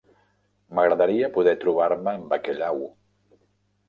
M'agradaria poder trobar-me amb aquella au.